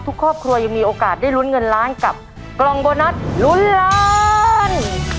ทุกครอบครัวยังมีโอกาสได้ลุ้นเงินล้านกับกล่องโบนัสลุ้นล้าน